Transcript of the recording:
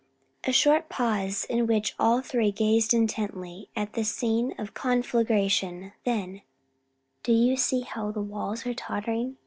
'" A short pause, in which all three gazed intently at the scene of conflagration, then, "Do you see how the walls are tottering?"